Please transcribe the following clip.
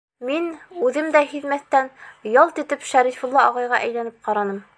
Мин, үҙем дә һиҙмәҫтән, ялт итеп Шәрифулла ағайға әйләнеп ҡараным.